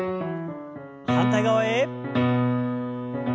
反対側へ。